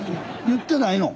言ってないの？